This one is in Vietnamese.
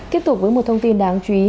tiếp tục với một thông tin đáng chú ý